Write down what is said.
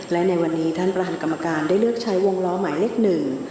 และในวันนี้ท่านประธานกรรมการได้เลือกใช้วงล้อหมายเลขหนึ่ง